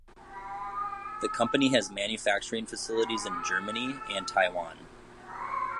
The company has manufacturing facilities in Germany and Taiwan.